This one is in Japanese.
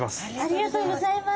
ありがとうございます。